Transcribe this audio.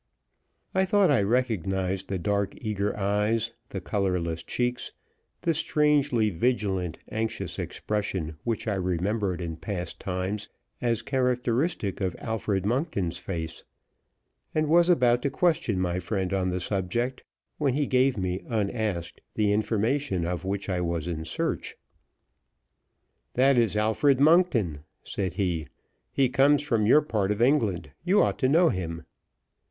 I thought I recognized the dark, eager eyes, the colorless cheeks, the strangely vigilant, anxious expression which I remembered in past times as characteristic of Alfred Monkton's face, and was about to question my friend on the subject, when he gave me unasked the information of which I was in search. "That is Alfred Monkton," said he; "he comes from your part of England. You ought to know him."